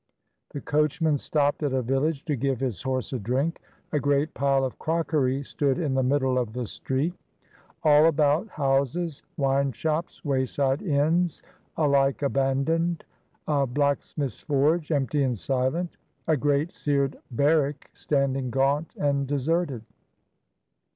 The coachman stopped at a village to give his horse a drink. A great pile of crockery stood in the middle of the street; all about houses, wine shops, wayside inns, alike abandoned, a blacksmith's forge, empty and silent, a great seared barrack standing gaunt and deserted.